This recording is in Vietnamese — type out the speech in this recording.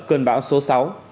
tiêm bão khẩn cấp